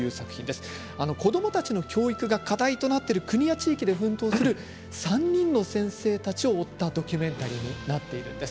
子どもたちの教育が課題となっている国や地域で奮闘する３人の先生たちを追ったドキュメンタリーです。